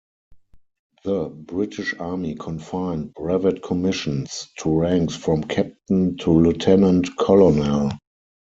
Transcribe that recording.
The British Army confined brevet commissions to ranks from captain to lieutenant-colonel.